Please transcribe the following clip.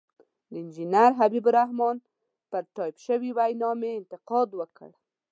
د انجنیر حبیب الرحمن پر ټایپ شوې وینا مې انتقاد وکړ.